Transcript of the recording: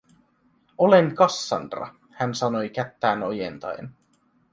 “Olen Cassandra”, hän sanoi kättään ojentaen.